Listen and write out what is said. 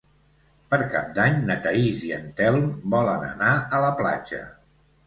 Per Cap d'Any na Thaís i en Telm volen anar a la platja.